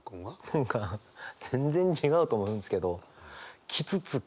何か全然違うと思うんですけど「きつつき」。